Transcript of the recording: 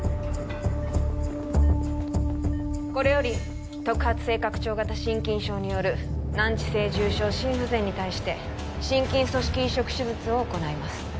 これより特発性拡張型心筋症による難治性重症心不全に対して心筋組織移植手術を行います